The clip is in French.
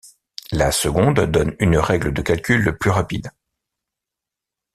La seconde donne une règle de calcul plus rapide.